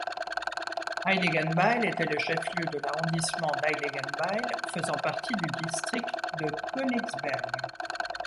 Heiligenbeil était le chef-lieu de l'arrondissement d'Heiligenbeil faisant partie du district de Königsberg.